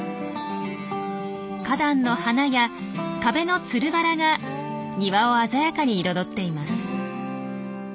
花壇の花や壁のつるバラが庭を鮮やかに彩っています。